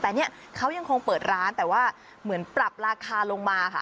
แต่เนี่ยเขายังคงเปิดร้านแต่ว่าเหมือนปรับราคาลงมาค่ะ